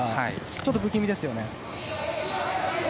ちょっと不気味ですよね。